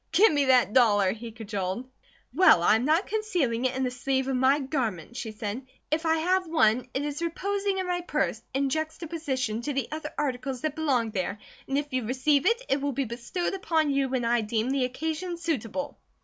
"Give me that dollar!" he cajoled. "Well, I am not concealing it in the sleeve of my garments," she said. "If I have one, it is reposing in my purse, in juxtaposition to the other articles that belong there, and if you receive it, it will be bestowed upon you when I deem the occasion suitable."